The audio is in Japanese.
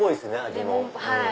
味も。